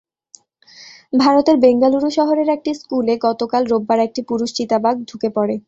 ভারতের বেঙ্গালুরু শহরের একটি স্কুলে গতকাল রোববার একটি পুরুষ চিতাবাঘ ঢুকে পড়ে।